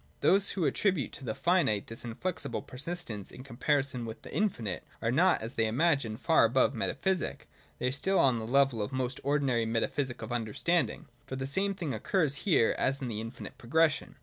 Those who attribute to the finite this inflexible persistence in comparison with the infinite are not, as they imagine, far above metaphysic : they are still on the level of the most ordinary metaphysic of understanding. For the same thing occurs here as in the infinite pro gression.